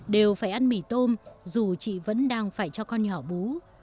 đều phải ăn mì tôm dù chị vẫn đang phải cho con nhỏ bú